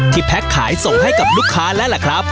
แพ็คขายส่งให้กับลูกค้าแล้วล่ะครับ